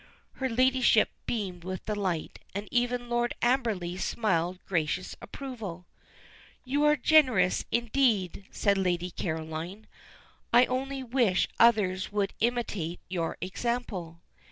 Her ladyship beamed with delight, and even Lord Amberley smiled gracious approval. "You are generous, indeed," said Lady Caroline. "I only wish others would imitate your example."